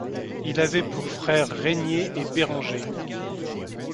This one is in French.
Il avait pour frères Rénier et Bérenger.